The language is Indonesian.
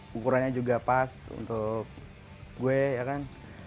ukurannya juga pas untuk gue ya kan